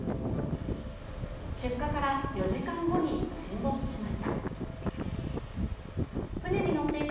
出火から４時間後に沈没しました。